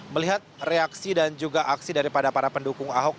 melihat reaksi dan juga aksi daripada para pendukung ahok